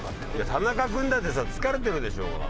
田中君だってさ疲れてるでしょうが。